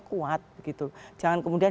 kuat jangan kemudian